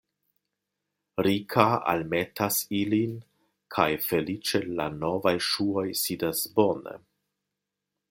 Rika almetas ilin kaj feliĉe la novaj ŝuoj sidas bone.